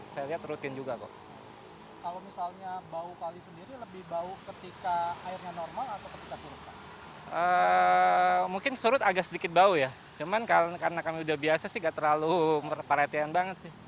kalau untuk dampak untuk warga sendiri atau lebih bau udaranya atau gimana